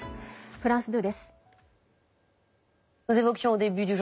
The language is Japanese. フランス２です。